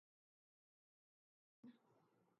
oil of main